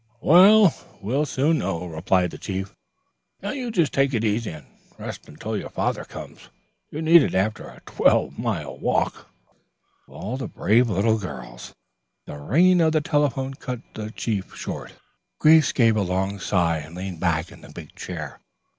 "Well, we'll soon know," replied the chief. "Now, you just take it easy and rest until your father comes. You need it after a twelve mile walk. Of all the brave little girls " The ringing of the telephone cut the chief short. Grace gave a long sigh and leaned back in the big chair.